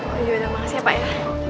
oh yaudah makasih pak ya